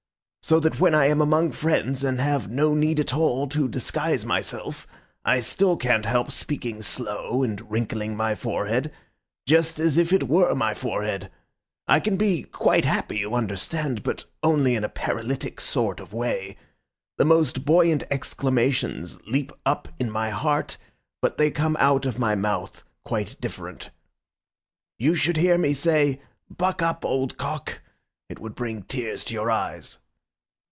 So that when I am among friends, and have no need at all to disguise myself, I still can't help speaking slow and wrinkling my forehead—just as if it were my forehead. I can be quite happy, you understand, but only in a paralytic sort of way. The most buoyant exclamations leap up in my heart, but they come out of my mouth quite different. You should hear me say, 'Buck up, old cock!' It would bring tears to your eyes."